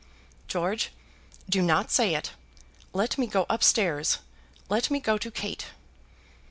"George, do not say it. Let me go up stairs. Let me go to Kate."